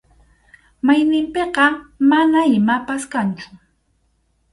Mayninpiqa mana imapas kanchu.